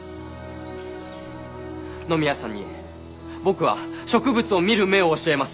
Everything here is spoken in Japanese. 野宮さんに僕は植物を見る目を教えます！